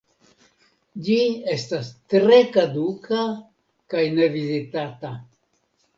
Ĝi estas tre kaduka kaj ne vizitata.